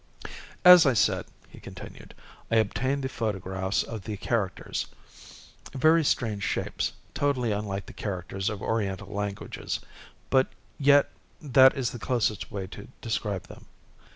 "As I said," he continued, "I obtained the photographs of the characters. Very strange shapes, totally unlike the characters of Oriental languages, but yet that is the closest way to describe them."